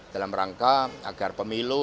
dalam rangka agar pemilu